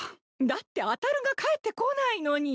だってあたるが帰ってこないのに。